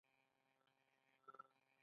که ګنګس شول نو لاره غلطه ده.